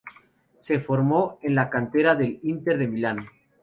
Se formó en la cantera del Inter de Milán.